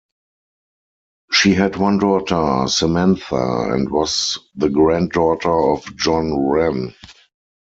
She had one daughter, Samantha, and was the granddaughter of John Wren.